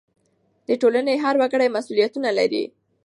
د ټولنې هر وګړی مسؤلیتونه لري.